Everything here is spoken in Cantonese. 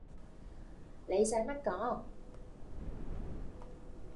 你洗乜講